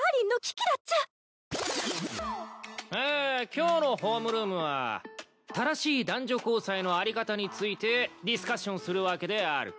今日のホームルームは正しい男女交際の在り方についてディスカッションするわけである。